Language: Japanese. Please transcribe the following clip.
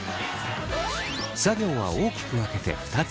作業は大きく分けて２つ。